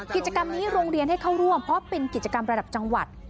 กิจกรรมนี้โรงเรียนให้เข้าร่วมเพราะเป็นกิจกรรมระดับจังหวัด